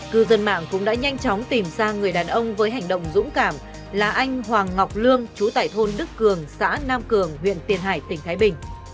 cư dân mạng cũng đã nhanh chóng tìm ra người đàn ông với hành động dũng cảm là anh hoàng ngọc lương chú tại thôn đức cường xã nam cường huyện tiền hải tỉnh thái bình